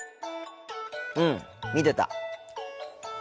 うん見てた。